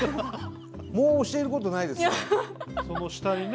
もう教えることないですね。